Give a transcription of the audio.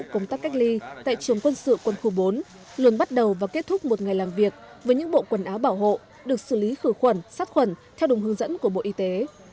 tổ công tác cách ly tại trường quân sự quân khu bốn luôn bắt đầu và kết thúc một ngày làm việc với những bộ quần áo bảo hộ được xử lý khử khuẩn sát khuẩn theo đúng hướng dẫn của bộ y tế